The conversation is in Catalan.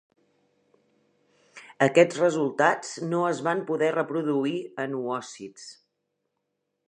Aquests resultats no es van poder reproduir en oòcits.